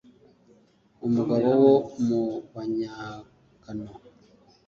Umugabo wo mu banyagano